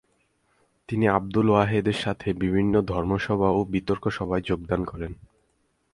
তিনি আব্দুল ওয়াহেদের সাথে বিভিন্ন ধর্মসভা ও বিতর্কসভায় যোগদান করেন।